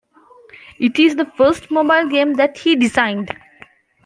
It is the first mobile game that he designed.